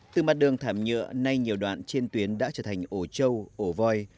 từ mặt đường thảm nhựa nay nhiều đoạn trên tuyến đã trở thành ổ trâu ổ voi